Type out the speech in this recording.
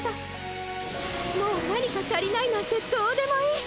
もう何か足りないなんてどうでもいい。